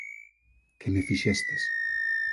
Que me fixestes?